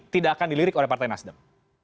tidak akan dilirik oleh partai nasdem